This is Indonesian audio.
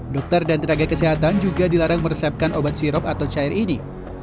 dokter dan tenaga kesehatan juga dilarang meresepkan obat sirop atau cair ini